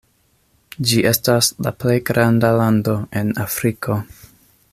Ĝi estas la plej granda lando en Afriko.